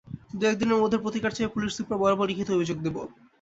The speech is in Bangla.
দু-এক দিনের মধ্যে প্রতিকার চেয়ে পুলিশ সুপার বরাবর লিখিত অভিযোগ দেব।